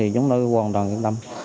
chúng tôi hoàn toàn yên tâm